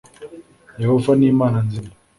yehova ni imana nzima,